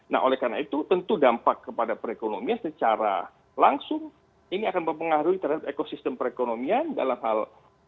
nah oleh karena itu tentu dampak kepada perekonomian secara langsung ini akan mempengaruhi terhadap ekosistem perekonomian dalam hal